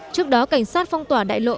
trước đó cảnh sát phong tỏa đại lộ